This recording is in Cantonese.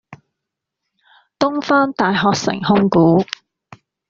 東方大學城控股